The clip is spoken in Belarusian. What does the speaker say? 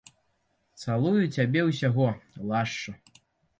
Цалую цябе ўсяго, лашчу.